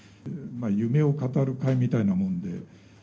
夢を語る会みたいなもので。